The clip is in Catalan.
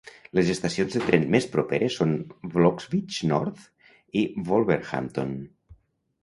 Les estacions de tren més properes són Bloxwich North i Wolverhampton.